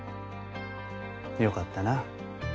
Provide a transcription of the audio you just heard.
よかったなぁ。